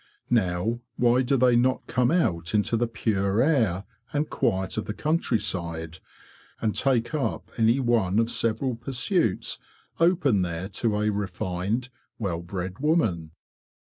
Now, why do they not come out into the pure air and quiet of the countryside, and take up any one of several pursuits open there to a refined, well bred woman?